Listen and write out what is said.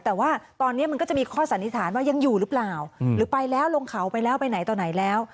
แต่ว่าตอนนี้มันก็จะมีข้อสันนิษฐานว่ายังอยู่หรือเปล่าหรือไปแล้วลงเขาไปแล้วไปไหนต่อไหนแล้ว